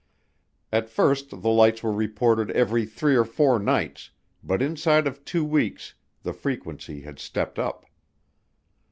At first the lights were reported every three or four nights, but inside of two weeks the frequency had stepped up.